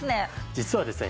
実はですね